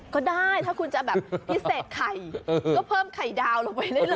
ก็ได้ถ้าคุณจะแบบพิเศษไข่ก็เพิ่มไข่ดาวลงไปเรื่อย